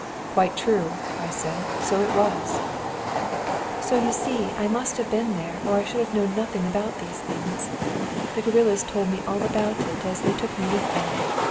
"Quite true," I said, "so it was." "So you see I must have been there or I should have known nothing about these things. The guerillas told me all about it as they took me with them.